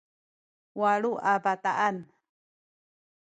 walu a bataan